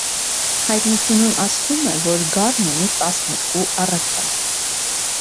Հայտնությունում ասվում է, որ գառն ունի տասներկու առաքյալ։